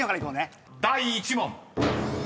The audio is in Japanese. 第１問］